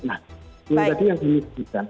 nah ini tadi yang kami pikirkan